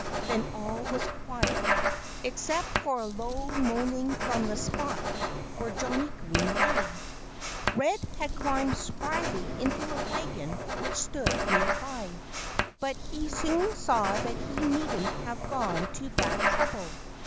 Then all was quiet, except for a low moaning from the spot where Johnnie Green lay. Red had climbed spryly into a wagon which stood near by. But he soon saw that he needn't have gone to that trouble.